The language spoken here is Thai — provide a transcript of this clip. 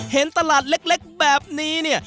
เห็นตลาดเล็กแบบนี้เนี่ย